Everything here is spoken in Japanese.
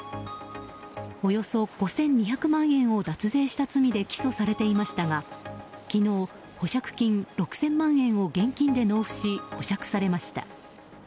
およそ５２００万円を脱税した罪で起訴されていましたが昨日、保釈金６０００万円を現金で納付し保釈されました。